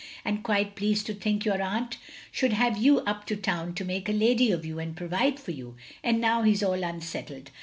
And qtiite pleased to think your aunt should have you up to town to nniake a lady of you and provide for you; and now he 's all unsettled.